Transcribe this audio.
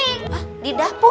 hah di dapur